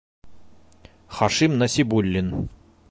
Хашим Насибуллин...